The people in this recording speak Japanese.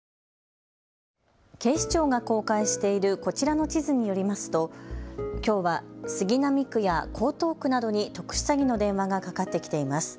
警視庁が公開しているこちらの地図によりますときょうは杉並区や江東区などに特殊詐欺の電話がかかってきています。